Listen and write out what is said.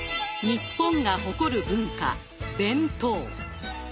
日本が誇る文化弁当。